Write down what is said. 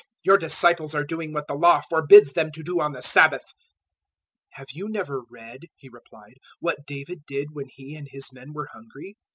your disciples are doing what the Law forbids them to do on the Sabbath." 012:003 "Have you never read," He replied, "what David did when he and his men were hungry?